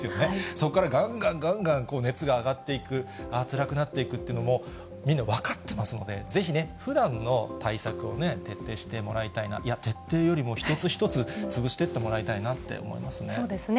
そこからがんがんがんがん熱が上がっていく、つらくなっていくというのも、みんな分かってますので、ぜひね、ふだんの対策をね、徹底してもらいたいな、いや、徹底よりも一つ一つ潰してってもそうですね。